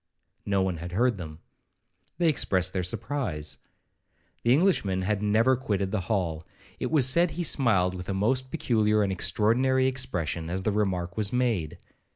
No one had heard them. They expressed their surprise. The Englishman had never quitted the hall; it was said he smiled with a most particular and extraordinary expression as the remark was made.